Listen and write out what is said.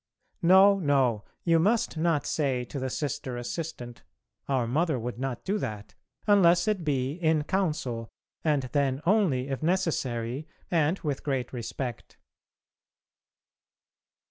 No, no; you must not say to the Sister Assistant, "Our Mother would not do that," unless it be in council, and then only if necessary and with great respect.